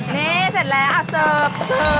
นี่เสร็จแล้วเซิร์ฟเซิร์ฟ